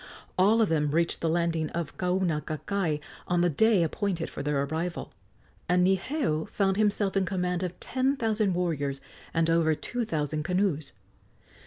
All of them reached the landing at Kaunakakai on the day appointed for their arrival, and Niheu found himself in command of ten thousand warriors and over two thousand canoes.